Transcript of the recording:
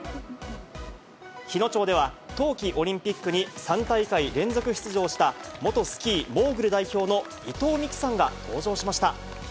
日野町では冬季オリンピックに３大会連続出場した元スキーモーグル代表の伊藤みきさんが登場しました。